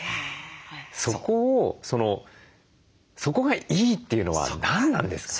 そこを「そこがいい」っていうのは何なんですか？